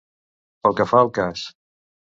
Pel que fa al cas.